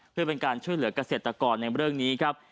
เพื่อเป็นการช่วยเหลือกเกษตรกรในเรื่องนี้ครับ